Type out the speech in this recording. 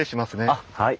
あっはい。